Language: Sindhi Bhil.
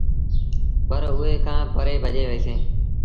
پر اُئي کآݩ پري ڀڄي وهيٚسينٚ